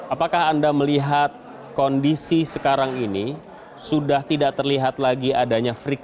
apakah anda melihat kondisi sekarang ini sudah tidak terlihat lagi adanya friksi